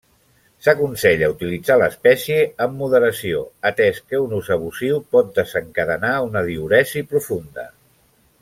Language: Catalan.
S'aconsella utilitzar l'espècie amb moderació atès que un ús abusiu pot desencadenar una diüresi profunda.